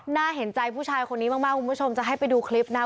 น่าเห็นใจผู้ชายคนนี้มากคุณผู้ชมจะให้ไปดูคลิปนะ